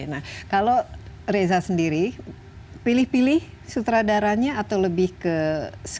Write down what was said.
nah kalau reza sendiri pilih pilih sutradaranya atau lebih ke sini